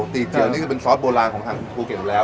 ตีเกียวนี่ก็เป็นซอสโบราณของทางภูเก็ตอยู่แล้ว